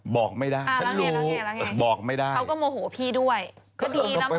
บอกไม่ได้บอกไม่ได้